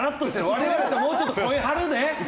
我々だったらもうちょっと声張るで！